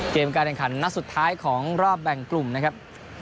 การแข่งขันนัดสุดท้ายของรอบแบ่งกลุ่มนะครับ